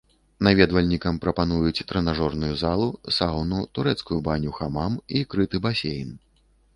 Наведвальнікам прапануюць трэнажорную залу, саўну, турэцкую баню хамам і крыты басейн.